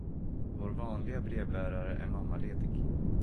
Vår vanliga brevbärare är mammaledig.